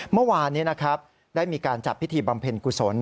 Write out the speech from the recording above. เมื่อวานนี้นะครับได้มีการจัดพิธีบำเพ็ญกุศล